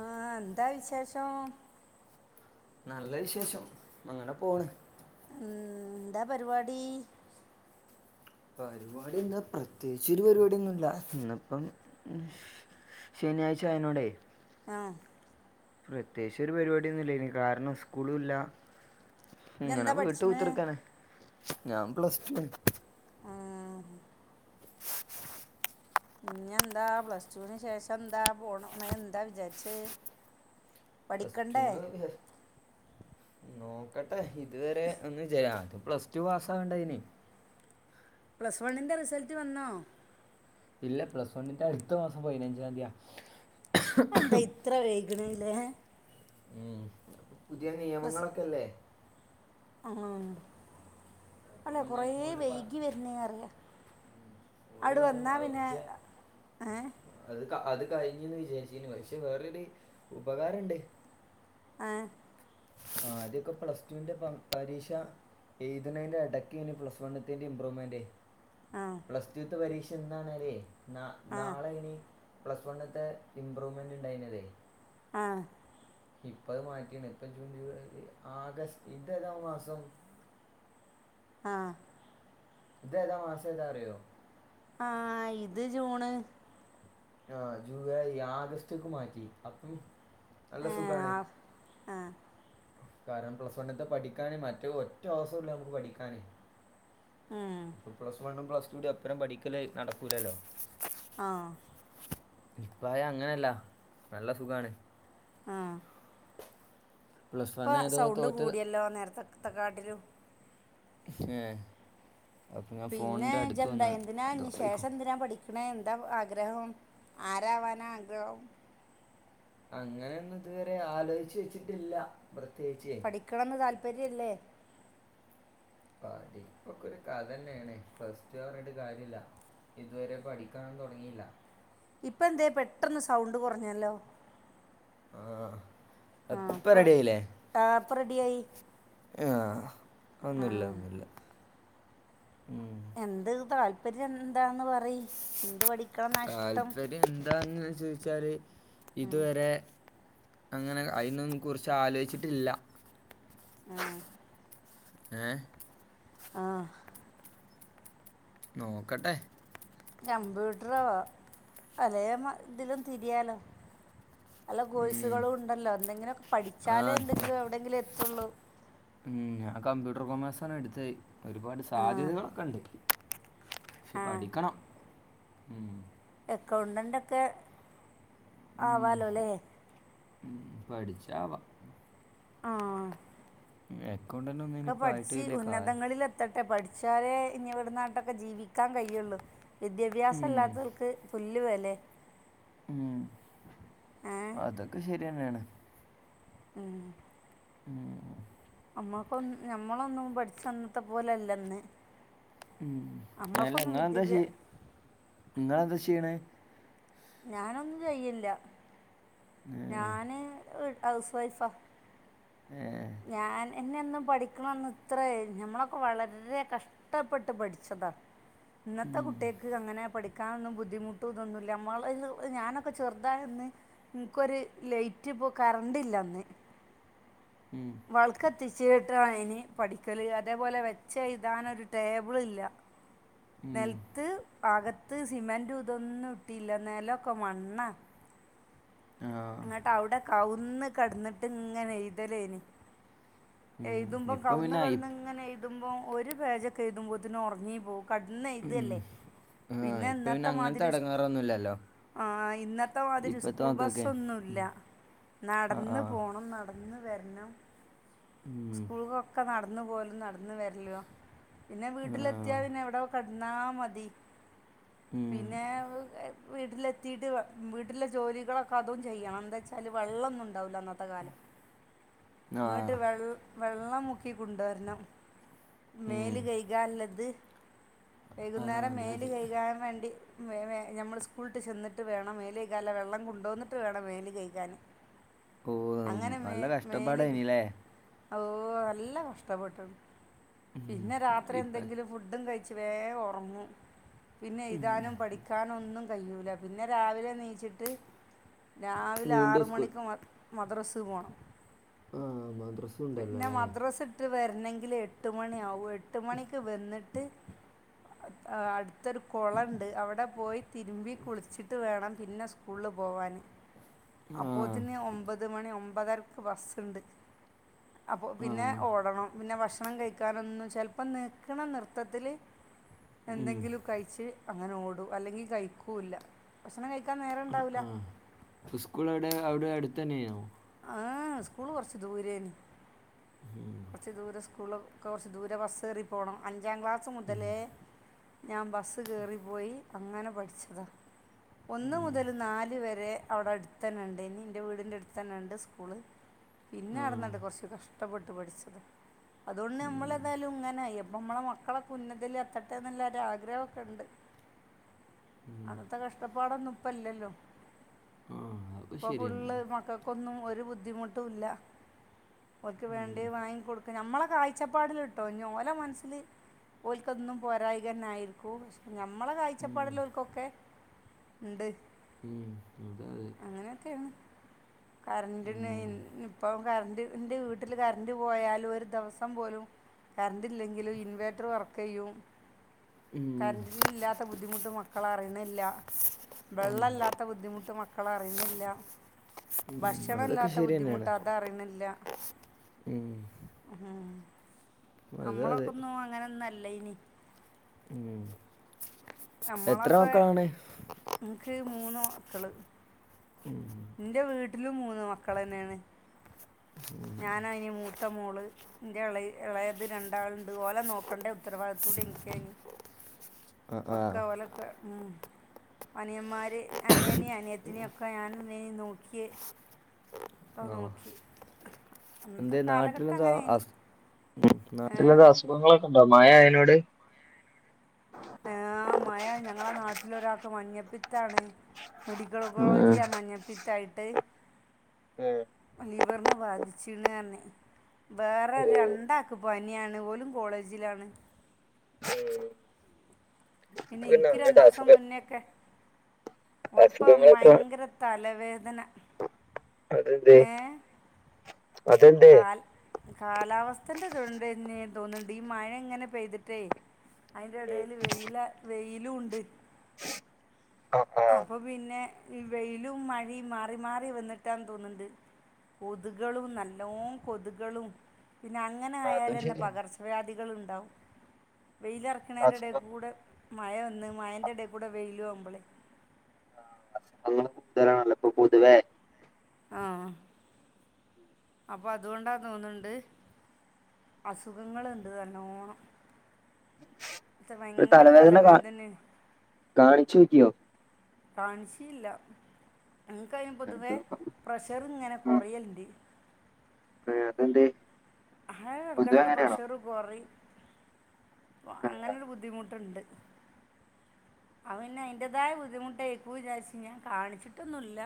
ആഹ് എന്താ വിശേഷോ നല്ല വിശേഷം അങ്ങനെ പോണ് ഉം ന്താ പരിപാടി പരിപാടി എന്താ പ്രത്യേകിച്ചോരു പരിപാടിയൊന്നുംല്ല ഇന്ന്പ്പം ശനിയാഴ്ച ആയനോടെ ആഹ പ്രത്യേകിച്ചോരു പരിപാടിയൊന്നുലേനി കാരണം സ്കൂളുല്ല ങ്ങനെ ഇഞ്ഞെന്താ വീട്ട് പഠിച്ചണ് കുത്തിർക്കണ് ഞാൻ പ്ലസ് ടുന് ഇഞ്ഞന്താ പ്ലസ് ടുവിന് ശേഷം ന്താ പോണം എന്താ വിചാരിച്ചേ പ്ലസ്ടുൻ [inaudible] നോക്കട്ടെ ഇതുവരെ ഒന്ന് ജയ പ്ലസ്ടു പാസ് ആവണ്ട അയിന് പ്ലസ് വണ്ണിന്റെ റിസൾട്ട് വന്നോ ഇല്ല പ്ലസ് വണ്ണിന്റെ അടുത്ത മാസം പതിനഞ്ചാന്തിയാ ആയെന്താ ഇത്ര വൈഗ്ണേല്ലേ ഉം പുതിയ നിയമങ്ങളൊക്കെല്ലേ ആഹ് അപ്പം അല്ല പിന്നെ കൊറെ ഓല് വൈകി പറ വരുന്നേ അറിയാ ഒരു അഅടു കാലം വന്നാ ആ, പിന്നെ പക്ഷെ എ അത് അത് കഴിഞ്ഞന്ന് വിചാരിച്ചീനു പക്ഷെ വേറൊരു ഉപകാരണ്ട് ആഹ് ആദ്യൊക്കെ പ്ലസ് ടുവിന്റെ പരീക്ഷ എഴ്ത്ണേന്റെ എടക്കേനി പ്ലസ് വണ്ണത്തിന്റെ ഇപ്രൂവ്മെന്റ് ആ പ്ലസ് ടുത്തെ പരീക്ഷ ഇച്ചെന്താന്നറിയേ [inaudible] ന്ന ആ നാളെ ഇനി പ്ലസ് വണ്ണ്ത്തെ ഇംമ്പ്രൂവ്മെന്റ് ഇണ്ടായിനതേ ആഹ് ഇപ്പ അത് മാറ്റീണ് ഇപ്പൊ ജൂൺ ജൂൈ ആഗസ്റ്റിന്തോരോ പ മാസം ആഹ് ഇത് ഏതാ മാസം ഏതാ അറിയോ ആഹ് ഇത് ജൂണ് ആഹ് ജൂലൈ ആഗസ്റ്റ്ക്ക് മാറ്റി അപ്പം നല്ല സുഖാണ് ആഹ് കാരണം പ്ലസ് വണ്ണത്തെ പഠിക്കാന് മറ്റ് ഒറ്റസം നമക്ക് പഠിക്കാന് ഉം. പ്ലസ് വണ്ണും പ്ലസ് ന്റെപ്പറം പഠിക്കല് നടക്കൂലല്ലോ ആഹ് ഇപ്പായ അങ്ങനല്ല നല്ല സുഖാണ് ആഹ് പ്ലസ് വൺ ഇപ്പൊ ഏതോ സൗണ്ട് തോറ്റ കൂടിയല്ലോ നേരത്തെത്തെ കാട്ടിലും ഏ അപ്പം ഞാൻ പിന്നെ ഫോണിൻ്റെ ജ് അടുത്ത് എന്താ വന്ന് എന്തിനാ അത് ഇനി വായിക്കും ശേഷം എന്തിനാ പഠി ന്നെ എന്താ ആഗ്രഹം ആരാവാനാ ആഗ്രഹം അങ്ങനെന്നും ഇതുവരെ ആലോചിച്ചു വെച്ചിട്ടില്ല പ്രത്യേകിച്ച് പ്പര്യല്ലേ പഠിപ്പൊക്കൊ ഒരു കഥന്നെണ് പ്ലസ് ടു പറഞ്ഞിട്ട് കാര്യല്ല ഇതുവരെ പഠിക്കാൻ തുടങ്ങീല്ല. ഇപ്പ എന്തെ പെട്ടന്ന് സൗണ്ട് കൊറഞ്ഞല്ലോ ആഹ് ഇപ്പ ഇപ്പൊ റെഡിയായില്ലേ ആഹ് ഇപ്പൊ റെഡിയായി ഏഹ് ഒന്നുല്ല ഒന്നുല്ല ഉം എന്ത് താല്പര്യം എന്താന്ന് പറീ എന്ത് പഠി താൽപര്യം ഏതാന്ന് ചോയ്ച്ചാല് ഇതുവരെ അങ്ങനെ അയ്നൊന്നും കുറിച്ച് ആലോയിച്ചിട്ടില്ല. ആഹ് ഏ ആഹ് നോക്കട്ടെ കമ്പ്യൂട്ടറോ അലേ ഇതിലും തിരിയാലോ നല്ല ഉം കോഴ്‌സുകളും ഉണ്ടല്ലോ എന്തെങ്കിലുക്കെ ആ പഠിച്ചാലെ എന്തെങ്കിലും എവിടെങ്കിലും എ തുള്ളൂ ഉം ഞാൻ കമ്പ്യൂട്ടർ കൊമേഴ്സാണ് എടുത്തത് ഒരുപാട് ആ സാധ്യതകളൊക്കെണ്ട് ആ പഠിക്കണം ഉം അക്കൗണ്ടന്റക്കെ ആവാലോ ഇല്ലേ പഠിച്ചാ ആവാം ആ എ ഒക്കെ പഠിച്ച് ഉന്നതങ്ങളിൽ എത്തട്ടെ പഠി- പഠിച്ചാലേ ഇനി ഇവിടുന്നാട്ടൊക്കെ ജീവിക്കാൻ കഴിയുള്ളു വിദ്യാഭ്യാസം ഉം, ഇല്ലാത്തവർക്ക് തുല്യ- ലീവാല്ലേ ഉം അതൊക്കെ ശരിയന്നെയാണ് ഉം ഉം നമ്മക്കൊ ഞമ്മളൊന്നും പഠിച്ചു വന്നത്തെ പോലല്ലന്ന് ഉ അല്ല നിങ്ങൾ എന്താ ചെ യ്യ നിങ്ങളെന്താ ചെയ്യണേ ഞാനൊന്നും ചെയില്ല ഞാന് ഹൗസ് വൈഫാ ഞാൻ എന്നെ ഒന്നും പഠിക്കണംന്ന് ഇത്ര ഞമ്മളൊക്കെ വളരെ കഷ്ടപ്പെട്ട് പഠിച്ചതാ ഇന്നത്തെ കുട്ടികക്ക് അങ്ങനെ പഠിക്ക- കക്കാനൊന്നും ബുദ്ധിമുട്ട്തൊന്നുമല്ല നമ്മള ഞാനൊക്കെ ചെറുതാന്ന് നിനക്കൊരു ലൈറ്റ് ഇപ്പോ കറണ്ട്ല്ലന്ന് ഇപ്പം വേളക്ക് കത്തിച്ചോ കേട്ടാ ഇനി പഠിക്കല് അതേപോലെ വെച് എഴുതാൻ ഒരു ടേബിൾ ഇല്ല നിലത്തെ അകത്തു സിമെന്റ് ഇതൊന്നും ഇട്ടില്ല നേലൊക്കെ മണ്ണാ എന്നിട്ട് എവിടെ കാവ് ഒന്ന് കിടന്നിട്ട് ഇങ്ങനെ എഴുതൽ ആണ് എഴുതുമ്പം പിന്നെ ഐ കമഴ്ന്നുകിടന്ന് ഇങ്ങനെ എഴുതുമ്പോൾ ഒരു പേജൊക്കെഴുതുമ്പോതന്നെ ഉറങ്ങി പോകും കിടന്ന് ഉം. എഴുതുവല്ലേ ആ പിന്നെ ഇപ്പം അങ്ങനത്തെ ഇടങ്ങേറൊന്നുമില്ലല്ലോ ഇന്നത്തെമാതിരി ഇപ്പോഴത്തെ സ്കൂൾ ബസ് മക്കൾക്ക് ഒന്നുമില്ല ഉം. ആ ആ നടന്ന് പോണം നടന്ന്- വരണം ഉം. സ്കൂൾകൊക്കെ നടന്നു പോലും നടന്ന് വരല്ലുവാ പിന്നെ ആ വീട്ടിലെത്തിയാ പിന്നെ എവിടെ ക- എന്നാ മതി ഉം. പിന്നെ- വീട്ടിലെത്തിയിട്ട് ജോലികളൊക്കെ അതും ചെയ്യണം എന്താ വെച്ചാല് വെള്ളം ഇന്നും ഉണ്ട്‌ ഉണ്ടാവില്ല അന്നത്തെ കാലം ആ ഇങ്ങോട്ട് വെള്ള- വെള്ളം മുക്ക് ത്തി കുണ്ടോര്ണം ഉം. മേല് കെഴ്കാൻ ഇല്ലത് ആ, വൈകുന്നേരം അതെ മേല് അതെ കൈകാൻ വേണ്ടി മെവെഞമ്മള് സ്കൂളിട്ട് ചെന്നിട്ട് വേണം മേല് കൈകാല വെള്ളം കൊണ്ടന്നിട്ട് വേണം മേല് കഴ്കാൻ ഓ നല്ല കഷ്ട പാടെയ്നിലെ ഓ നല്ല കഷ്ടപ്പെട്ട്ണ് ഉം. പിന്നെ രാത്രി ഇപ്പ എന്തെങ്കിലും ഫുഡും കഴിച്ച് വേം ഒറങ്ങും പിന്നെ ഉം. എഴുതാനും പഠിക്കാനും ഒന്നും കയ്യൂലാ പിന്നെ രാവിലെ നീച്ച്ട്ട് രാവിലെ വീണ്ടും ആറ് സ്കൂൾ മണിക്ക് മദ് മദ്റസ് പോണം ആ മദ്ര [inaudible] ഇന്നെങ്കിലെ എട്ട് മണി ആവുയെ ട്ട് മണിക്ക് വെന്ന്ട്ട് [inaudible] [unintelligible] ത്ത് ഒര് കൊളണ്ട് അവ്ടെ പോയി തിരുമ്പി കുളിച്ചിട്ട് വേണം പിന്നെ സ്ക്കൂൾ പോവാൻ ആ അപ്പോത്തിന് ഒമ്പത് മണി ഒമ് [inaudible] അപ്പോ ആ പിന്നെ ഓടണം പിന്നെ ഭക്ഷ ക്ഷണം കഴിക്കാനൊന്നും ചെൽപ്പം നിക്ക്ണ നിർത്തത്തിൽ ഉം. എന്തെങ്കിലും കഴിച്ച് [inaudible] നേരം അ ഉണ്ടാവില്ല അ ഉസ്ക്കൂൾ ഒയുടെ അയുടെ അട് തന്നെയോ ഏ സ്ക്കൂൾ കൊർച്ച് ദൂരെയ്നി [inaudible] [inaudible] [unintelligible] [inaudible] ഉം, ഉം, ഒന്ന് ഉം. മുതൽ നാല് വരെ അയുടെ അട്ത്തെന്നെ ഇൺണ്ടെയ്നി ഇന്റെ വീടിന്റെ എട്ത്തെന്നെ ഇണ്ട് സ്ക്കൂൾ പിന്നെ ആ അയുട്ന്നാണ്ട് കൊർച്ച് കഷ് ത [unintelligible] ഒത്തുപടിച്ചത് [unintelligible] അതുകൊണ്ട് ഉം, നമ്മളെതായാലും ഇങ്ങനയി അപ്പം നമ്മളെ മക്കളൊക്കെ ഉന്നതിൽ എത്തട്ടെ എന്നുള്ള ഒരു ആഗ്രഹമൊക്കെ ഉണ്ട് ഉം. അന്നത്തെ കഷ്ടപ്പാടൊന്നും- ഇപ്പം ഇല്ലല്ലോ ആ ഇപ്പൊ അതൊക്കെ ഫുള്ള് ശരി മക്കൾക്കൊന്നും ഒരു ബുദ്ധിമുട്ടുമില്ല ഓക്കെ തന്നെയാണ് വേണ്ട [unintelligible] നമ്മളെ കാഴ്ചപ്പാടിലിട്ടോ ഓലെ മനസിൽ ഓലക്കൊന്നും പോരാഴ്മ ആയിരിക്കും. ഞമ്മളെ ഉം, ഉം, കാഴ്ചപ്പാടെല്ലോർക്കൊക്കെ ഉണ്ട് ഉം അത അത് കറന്റ് ഉം, [unintelligible] ഇപ്പൊ കര്ന്റ് ന്റെ വീട്ടിൽ കര് രന്റ് പോയാലും ഒരു ദിവസം പോലും കരണ്ടില്ലെങ്കിലും ഇൻവേട്ടർ വർക്ക് ചെയ്യും ഉം, ഉം. കര്ന്റിന് ഇല്ലാത്ത ബുദ്ധിമുട്ട് മക്കൾ അറിയി ഇല്ല വെള്ളല്ലാത്ത ബുദ്ധിമുട്ട് മക്കൾ അറിനില്ല അതൊക്കെ ഭക്ഷണംമല്ലാത്ത ശരി ബുദ്ധിമുട്ട് തന്നെയാണ് അത അറിയുന്നില്ല ഉം അതാ അത് നമ്മളൊക്കെ ഒന്ന അങ്ങനെ അല്ലനി ഉം എത്ര നമ്മളൊക്കെ മക്കളാണ് ഇക്ക് മൂന്ന് മക്കൾ ഉം എന്റെ വീട്ടിലും മൂന്ന് മക്കൾന്നെയാണ് ഞാനാനി മൂത്ത മോള് ഇന്റെ ഇളായത് രണ്ടാളുണ്ട് ഓലെ നോക്കേണ്ട ഉത്തരവാദിത്വം തുടോ എനിക്കേനി ആ ഇപ്പം ആ ഒക്കെ ഓലൊക്കെ മം അനിയന്മാർ അനിയനെയ അനിയത്തിനെയൊക്കെ ഞാൻ ഞാൻ ഏനി നോക്കിയേ ക്കെ നോക്കി അന്നത്തെ എന്ത കാലഘട്ടം നാട്ടിലെന്താ അങ്ങനെയാണ് അസ് ഏ നാട്ടിലെന്താ അസുഖങ്ങളൊക്കെ ഉണ്ടോ മഴ അനോട് ആ മയ ഞങ്ങളെ നാട്ടിലൊരാൾക്ക് മഞ്ഞപ്പിത്താണ്. മെഡിക്കൾ ഉം. കോളേജിലാ മഞ്ഞപ്പി ത്തായിട്ട് ലിവറിനെ ബാധിച്ചിണ്ഞ്ഞ് വേറെ ഏ രണ്ടാക്ക് പനിയാണ് ഓലും കോളേജിലാണ്. ഉം പിന്നേ ഇൻ പിന്നെ ക്ക് രണ്ടു അങ്ങനത്തെ ദിവസം അസുഖ മുന്നേക്കെ ഇപ്പൊ അസുഖങ്ങളൊക്കെ ഭയങ്കര തലവേദന അതന്തേ ഏ അതെന്തേ? കാലാവസ്ഥന്റെ ഇതോണ്ടന്നെ തോന്ന്ണ്ട് ഈ മഴ ഇങ്ങനെ പെയ്തിട്ടേ അതിന്റെ ഉം ഇടയില് വെയില വെയിലുംണ്ട്. ആ ആ അപ്പൊ പിന്നെ വെയിലും, മഴയും മാറി മാറി വന്നിട്ടാന്ന് തോന്ന്ണ്ട് കൊതുകളും നല്ലോ കൊതുകളും പിന്നെ അ അങ്ങനെ അത് ആയാലല്ലേ ശരിയാണ് പകർച്ച വ്യാ കുട്ടികളുണ്ടാവും വെയിലറക്ക്ണേന്റെ എടെ അസുഖം കൂടെ മഴ ഒന്ന് മഴന്റെ എടെ കൂടെ വെയിലു ആവുമ്പളെ അസുഖങ്ങൾ കൂടുതലാണല്ലോ ഇപ്പൊ പൊതുവെ ആ അപ്പൊ അതുകൊണ്ടാ തോന്ന്ണ്ട് അസുഖങ്ങളുണ്ട് ത ഇത് ഒരു ഭയങ്കര തലവേദന കാ തലവേദനയും കാണിച്ചു നോക്കിയോ? കാണിച്ചില്ല. എനിക്കയിന് നമുക്ക് പൊതുവേ നോക്കാം. പ്രഷർ ഇങ്ങനെ കുറയൽണ്ട്. ഹേ അതെന്തേ? ആഹ് പൊതുവെ ഇടക്കിടക്ക് അങ്ങനെയാണോ പ്രഷർ കൊറിം ആ അങ്ങനൊരു ബുദ്ധിമുട്ടുണ്ട്. അത് പിന്നെ അയിന്റതായ ബുദ്ധിമുട്ടക്കു വിചാരിച്ചു ഞാൻ കാണിച്ചിട്ടൊന്നുല്ല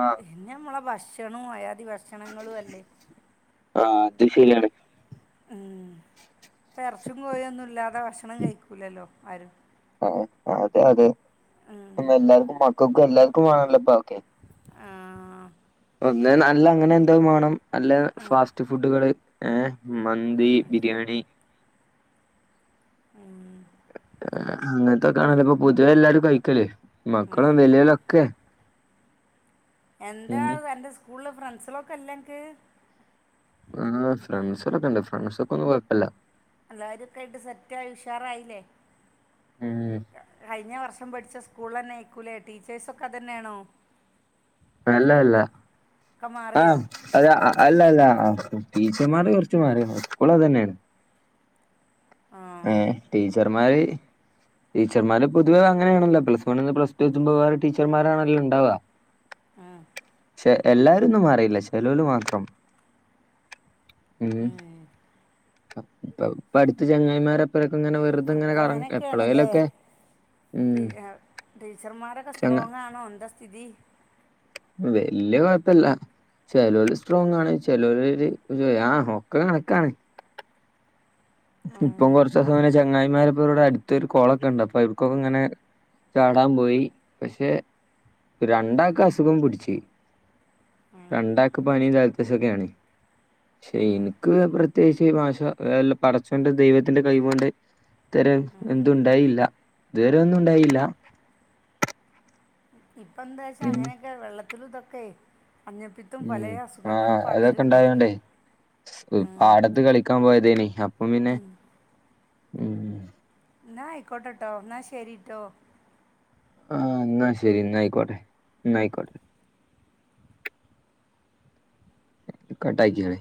ആ പിന്നെ നമ്മളെ ഭക്ഷ ഷണൂ അയാ തി ഭക്ഷണങ്ങളും അല്ലേ ആ, അത് ശരിയാണ്. ഉം ഇപ്പൊ എറെച്ചിം കോയിം ഒന്നും ഇല്ലാതെ ഭക്ഷണം കഴിക്കൂലല്ലോ ആരും. ആ അതെ അതെ. ഉം. പിന്നെ എല്ലാർക്കും മക്കൾക്കും എല്ലാർ ക്കും മാണല്ലോപ്പം. ഓക്കെ ആഹ് ഒന്ന് നല്ല അങ്ങനെ എന്തോ മാണം അല്ലേ ഫാസ്റ്റ് ഫുഡുകള് ഏഹ് മന്തി, ബിരിയാണി അങ്ങനത്തെക്കാണല്ലോ ഇപ്പൊ പൊതുവേ എല്ലാരും കഴിക്കല് ഉം. മക്കളും വല്യോരും ഒക്കെ എന്താ അന്റെ സ്കൂളില് ഫ്രണ്ട്സിളൊക്കെ ഇല്ലേ അനക്ക് ആ ഫ്രണ്ട്സൊക്കെ ഇണ്ട് ഫ്രണ്ട്സൊക്കെ ഒന്നും കുഴപ്പില്ല എല്ലാവരും ഒക്കെ ആയിട്ട് സെറ്റായി ഉഷാറായില്ലേ ഉം കഴിഞ്ഞ വർഷം പടിച്ച സ്കൂൾ തന്നെ ആയിക്കൂലേ ടീച്ചേഴ്സ് ഒക്കെ അത് തന്നെയാണോ അല്ല അല്ല മാറിയോ ആഹ് അത അല്ല അല്ല ആ ടീച്ചർമാര് കുറച്ച് മാറി സ്കൂൾ അത് തന്നെയാണ് ആ ഏ ടീച്ചർമാര് ടീച്ചർമാര് പൊതുവേ അങ്ങനെയാണല്ലോ പ്ലസ് വണ്ണിന്ന് പ്ലസ് ടു എത്തുമ്പോ വേറെ ടീച്ചർമാരാണല്ലോ ഉണ്ടാവുക ആഹ് പക്ഷെ എല്ലാരും ഒന്നും മാറീല ചെലവര് മാത്രം ഉം ഇപ്പൊ അടുത്ത ചങ്ങായിമാരെപ്പ അപ്പൊ അങ്ങനെയൊക്കെയാണല്ലേ ഉം ടീച്ചർമാരൊക്കെ ചങ്ങ സ്ട്രോങ് ആണോ എന്താ സ്ഥിതി വല്യ കൊഴപ്പല്ല ചെലര് സ്ട്രോങ് ആണ് ചെലവര് ഒരു ആഹ് ഒക്കെ കണക്കാണ് ഇപ്പം കൊറച്ച് ദിവസം അങ്ങനെ ചങ്ങായി [unintelligible] അടുത്തൊരു കൊളൊക്കെ ഉണ്ട് അപ്പൊ എടക്കൊക്കെ ഇങ്ങനെ ചാടാൻ പോയി പക്ഷെ രണ്ടാക്ക് അസുഖം പിടിച്ച് രണ്ടാക്ക് പനിയും ജല അസുഖാണ് പക്ഷെ എനിക്ക് പ്ര ദേശിയ ഭാഷ പടച്ചൊന്റെ ദൈവത്തിന്റെ കൈ കൊണ്ട് ഇത്തരം എന്തുണ്ടായില്ല ഇത് വരെ ഒന്നും ഉണ്ടായില്ല ഇപ്പ എന്താ വച്ചാ ഉം അങ്ങനെയക്കെ വെള്ളത്തില് [unintelligible] ഉം ആ അതൊക്കെ പകരുണ്ട് ണ്ടാവല്ണ്ടെയ് സ് ഉം പാടത്ത് കളിക്കാൻ പോയതേനി അപ്പം പിന്നെ ഉം ന്നാ ആയ്ക്കോട്ടെട്ടോ ന്നാ ശരിട്ടോ ആ ന്നാ ശരി ന്നാ അയ്ക്കോട്ടെ ന്ന അയ്ക്കോട്ടെ കട്ടാക്കിനി